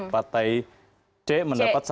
partai c mendapat satu